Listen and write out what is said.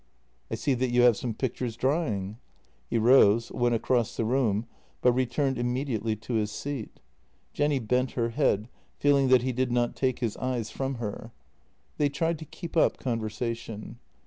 " I see that you have some pictures drying." He rose, went across the room, but returned immediately to his seat. Jenny bent her head, feeling that he did not take his eyes from her. They tried to keep up conversation.